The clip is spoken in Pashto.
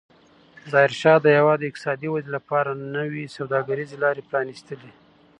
ظاهرشاه د هېواد د اقتصادي ودې لپاره نوې سوداګریزې لارې پرانستلې.